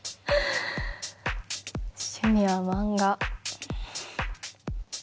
「趣味は漫画」。